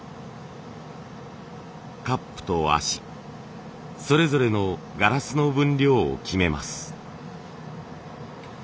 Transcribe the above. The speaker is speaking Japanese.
カップと脚それぞれのガラスの分量を決めます。